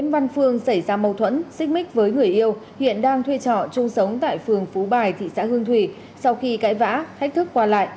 vì cãi vã hách thức qua lại